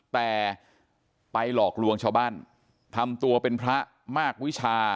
แต่ไปหลอกลวงชาวบ้านทำตัวเป็นพระมากวิชา